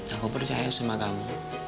aku percaya sama kamu